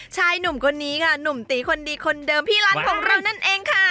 ชายหนุ่มคนนี้ค่ะหนุ่มตีคนดีคนเดิมพี่รัฐของเรานั่นเองค่ะ